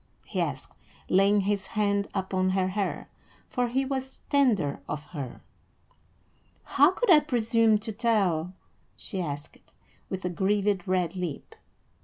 he asked, laying his hand upon her hair, for he was tender of her. "How could I presume to tell?" she asked, with a grieved red lip.